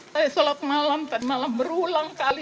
saya sholat malam tadi malam berulang kali